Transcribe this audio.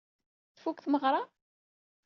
Tfuk tmeɣra?